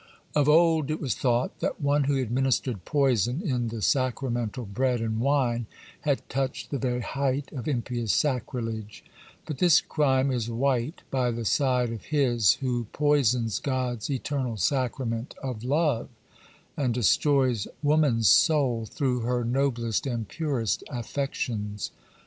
Of old it was thought that one who administered poison in the sacramental bread and wine had touched the very height of impious sacrilege; but this crime is white by the side of his who poisons God's eternal sacrament of love, and destroys woman's soul through her noblest and purest affections.